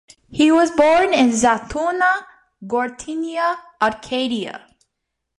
He was born in Zatouna, Gortynia, Arcadia.